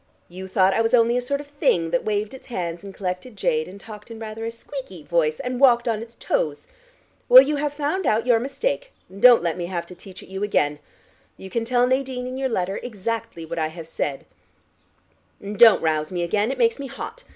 You thought I was only a sort of thing that waved its hands and collected jade, and talked in rather a squeaky voice, and walked on its toes. Well, you have found out your mistake, and don't let me have to teach it you again. You can tell Nadine in your letter exactly what I have said. And don't rouse me again: it makes me hot.